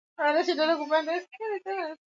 ikiwa ni pamoja na Mahakama ya Haki ya Afrika,